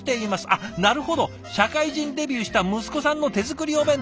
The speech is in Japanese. あっなるほど社会人デビューした息子さんの手作りお弁当。